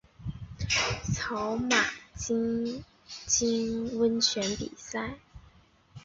群马草津温泉部比赛。